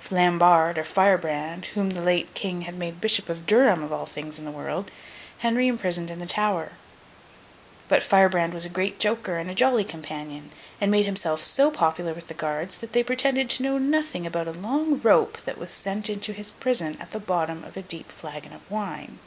Flambard, or Firebrand, whom the late King had made Bishop of Durham, of all things in the world, Henry imprisoned in the Tower; but Firebrand was a great joker and a jolly companion, and made himself so popular with his guards that they pretended to know nothing about a long rope that was sent into his prison at the bottom of a deep flagon of wine.